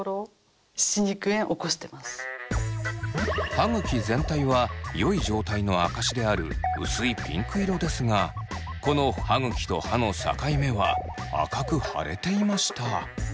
歯ぐき全体はよい状態の証しである薄いピンク色ですがこの歯ぐきと歯の境目は赤く腫れていました。